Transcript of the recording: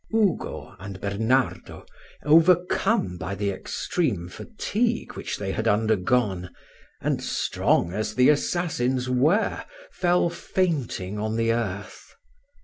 Ugo and Bernardo, overcome by the extreme fatigue which they had undergone, and strong as the assassins were, fell fainting on the earth.